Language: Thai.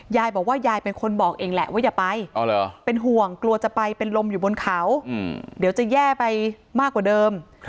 ยายบอกว่ายายเป็นคนบอกเองแหละว่าอย่าไปเป็นห่วงกลัวจะไปเป็นลมอยู่บนเขาเดี๋ยวจะแย่ไปมากกว่าเดิม